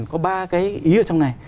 có ba cái ý ở trong này